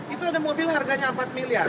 itu ada mobil harganya empat miliar